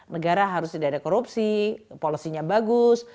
negara harus tidak ada korupsi polisinya bagus